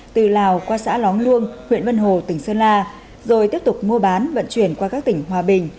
từ lào qua xã lóng luông huyện vân hồ tỉnh sơn la rồi tiếp tục mua bán vận chuyển qua các tỉnh hòa bình